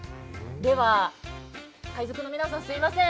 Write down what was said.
では海賊の皆さん、すいません。